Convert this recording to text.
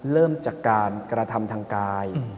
เริ่มจากการกระทำทางกาย